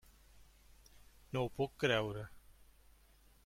No ho puc creure.